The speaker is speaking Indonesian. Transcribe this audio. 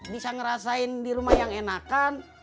bisa ngerasain di rumah yang enakan